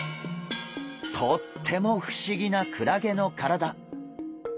とっても不思議なクラゲの体。